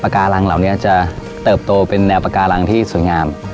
การังเหล่านี้จะเติบโตเป็นแนวปาการังที่สวยงาม